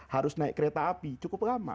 harus naik kereta api cukup lama